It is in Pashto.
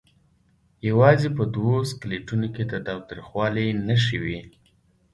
یوازې په دوو سکلیټونو کې د تاوتریخوالي نښې وې.